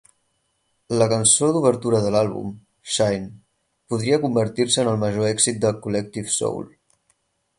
La cançó d'obertura de l'àlbum, "Shine", podria convertir-se en el major èxit de Collective Soul.